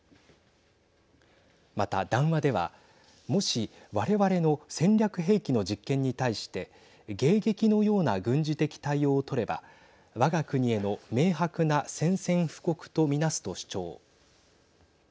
また談話ではもし我々の戦略兵器の実験に対して迎撃のような軍事的対応を取ればわが国への明白な宣戦布告と見なすと主張。